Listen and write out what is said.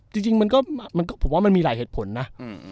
จริงมันก็ผมว่ามันมีหลายเหตุผลนะ